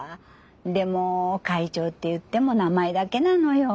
でも会長って言っても名前だけなのよ。